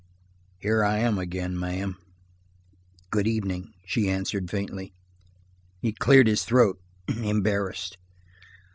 "Here I am again, ma'am." "Good evening," she answered faintly. He cleared his throat, embarrassed.